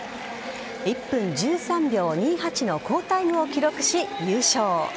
１分１３秒２８の好タイムを記録し、優勝。